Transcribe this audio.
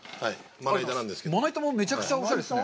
まないたもめちゃくちゃおしゃれですね。